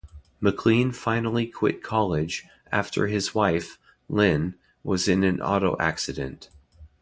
McLean finally quit college after his wife, Lynne, was in an auto accident.